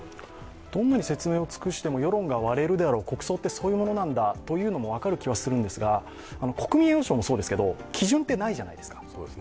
どんなに説明を尽くしても世論は割れるだろう、国葬はそういうものなんだというのも分かる気がするんですが、国民栄誉賞もそうですけど、基準ってないじゃないですか。